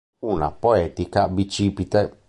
Una poetica bicipite.